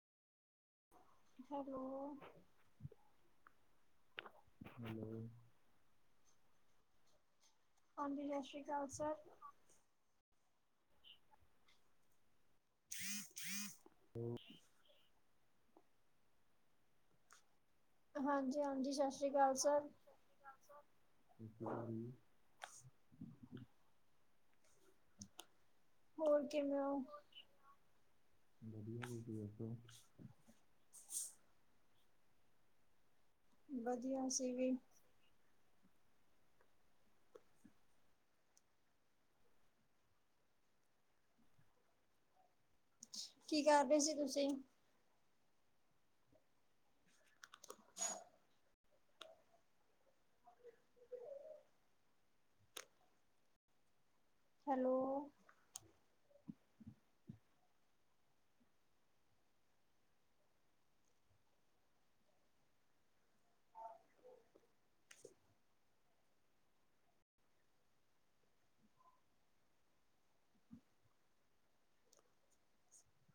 Hello. Hello. ਹਾਂਜੀ ਸਤਿ ਸ੍ਰੀ ਅਕਾਲ ਸਰ। ਹੂੰ-ਹੂੰ। ਹੂੰ। ਹਾਂਜੀ-ਹਾਂਜੀ ਸਤਿ ਸ੍ਰੀ ਅਕਾਲ ਸਰ। ਹਾਂਜੀ, ਸਰ ਸਤਿ ਸ੍ਰੀ ਅਕਾਲ ਜੀ। ਹੋਰ ਕਿਵੇਂ ਹੋ? ਵਧੀਆ ਜੀ, ਤੁਸੀ ਦੱਸੋ? ਵਧੀਆ ਅਸੀ ਵੀ। ਕੀ ਕਰ ਰਹੇ ਸੀ ਤੁਸੀਂ? ਹੈਲੋ।